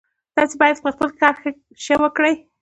تاسو باید خپل کار ښه وکړئ